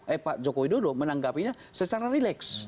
eh pak jokowi dodo menanggapinya secara rileks